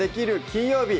金曜日」